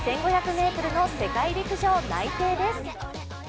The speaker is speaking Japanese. １５００ｍの世界陸上内定です。